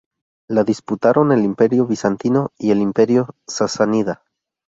La disputaron el Imperio bizantino y el Imperio sasánida.